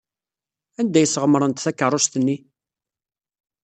Anda ay sɣemrent takeṛṛust-nni?